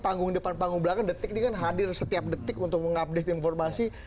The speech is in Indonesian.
panggung depan panggung belakang detik ini kan hadir setiap detik untuk mengupdate informasi